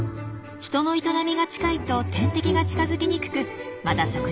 人の営みが近いと天敵が近づきにくくまた食事場所にも困りません。